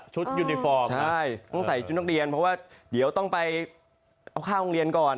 ใช่ต้องใส่ชนอกเรียนเพราะว่าเยี๋ยวต้องไปเอาข้าวกริเนียนก่อน